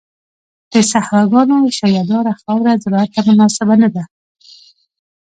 د صحراګانو شګهداره خاوره زراعت ته مناسبه نه ده.